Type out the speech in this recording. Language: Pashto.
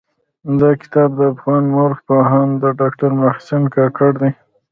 دا کتاب د افغان مٶرخ پوهاند ډاکټر محمد حسن کاکړ دٸ.